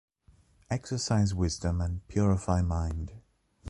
Exercise wisdom and purify mind.